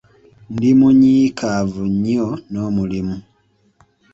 Ndi munyiikaavu nnyo n'omulimu.